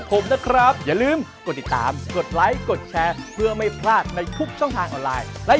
เขาจะมาก๊อปปี้ไข่ให้คุณผู้ชมดูนะคะ